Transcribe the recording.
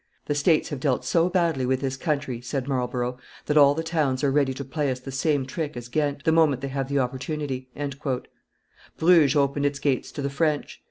"The States have dealt so badly with this country," said Marlborough, "that all the towns are ready to play us the same trick as Ghent, the moment they have the opportunity." Bruges opened its gates to the French.